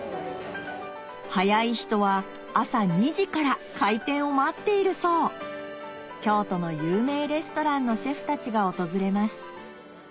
早い人は朝２時から開店を待っているそう京都の有名レストランのシェフたちが訪れます